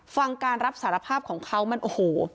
ฟังการรับสารภาพของเขามันโอ้โห